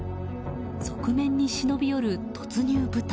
側面に忍び寄る突入部隊。